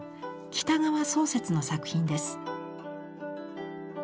喜多川相説の作品です。